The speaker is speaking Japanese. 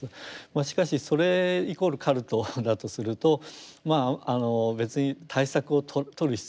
しかしそれイコールカルトだとすると別に対策を取る必要もない。